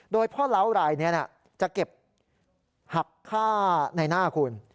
โดยพ่อเล้ารายนี้จะเก็บหักค่าในหน้าคุณ